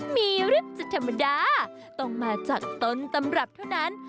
มีฤทธ์จะธรรมดาต้องมาจากต้นตำรับเท่านั้น